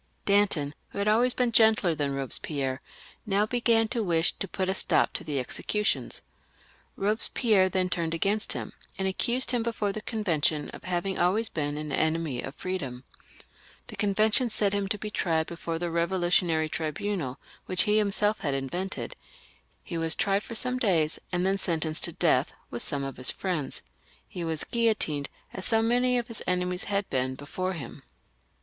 Danton, who had always been gentler than Eobespierre, now began to wish to put a stop to the executions. Eobespierre then turned against him, and accused him before the Convention of having always been an enemy of freedom. The Convention sent him to be tried before the Eevolutionary Tribunal, which he himself had invented ; he was tried for some days, and then sentenced to death with some of his friends. He was guillotined, as so many of his enemies had been before him.